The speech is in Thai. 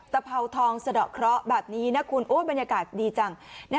เผาทองสะดอกเคราะห์แบบนี้นะคุณบรรยากาศดีจัง